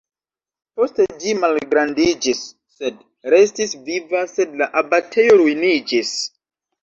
Poste ĝi malgrandiĝis sed restis viva, sed la abatejo ruiniĝis.